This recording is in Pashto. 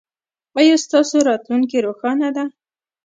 ایا ستاسو راتلونکې روښانه ده؟